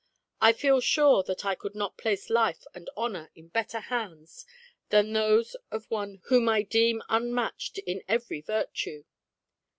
I feel sure that I could not place life and honour in better hands than those of one whom I deem unmatched in every virtue."